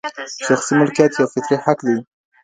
شخصي ملکیت یو فطري حق دی.